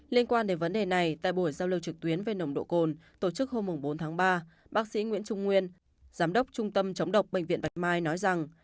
liên quan đến vấn đề này tại buổi giao lưu trực tuyến về nồng độ cồn tổ chức hôm bốn tháng ba bác sĩ nguyễn trung nguyên giám đốc trung tâm chống độc bệnh viện bạch mai nói rằng